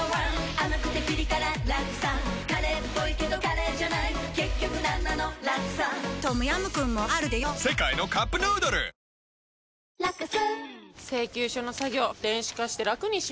甘くてピリ辛ラクサカレーっぽいけどカレーじゃない結局なんなのラクサトムヤムクンもあるでヨ世界のカップヌードルじゃあお願いします。